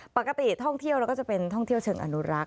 ปกติท่องเที่ยวเราก็จะเป็นท่องเที่ยวเชิงอนุรักษ